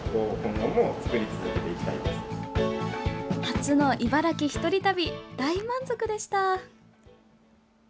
初の茨城１人旅大満足でした。